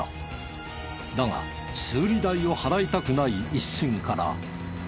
だが修理代を払いたくない一心から。